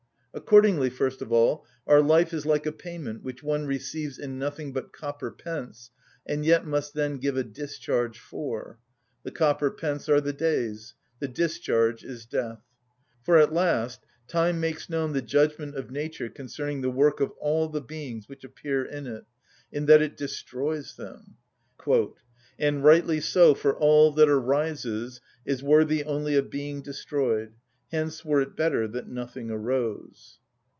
Accordingly, first of all, our life is like a payment which one receives in nothing but copper pence, and yet must then give a discharge for: the copper pence are the days; the discharge is death. For at last time makes known the judgment of nature concerning the work of all the beings which appear in it, in that it destroys them:— "And rightly so, for all that arises Is worthy only of being destroyed. Hence were it better that nothing arose."